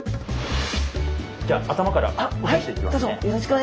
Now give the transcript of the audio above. じゃあ頭から落としていきますね。